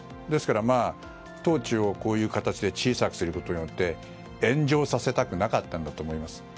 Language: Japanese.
ですからトーチを小さくすることによって炎上させたくなかったんだと思います。